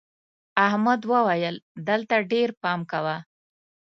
احمد وويل: دلته ډېر پام کوه.